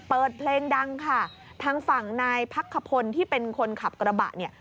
เปิดเพลงดังค่ะทางฝั่งนายพักขพลที่เป็นคนขับกระบะเนี่ย